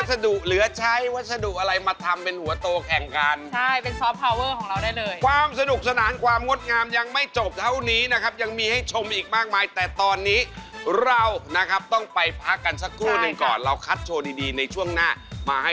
สุดท้ายสุดท้ายสุดท้ายสุดท้ายสุดท้ายสุดท้ายสุดท้ายสุดท้ายสุดท้ายสุดท้ายสุดท้ายสุดท้าย